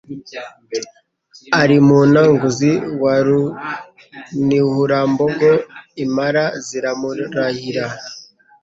Ari Munanguzi wa Runihurambogo.Impara ziramurahira